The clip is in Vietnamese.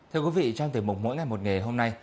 thưa quý vị trong tiểu mục mỗi ngày một nghề hôm nay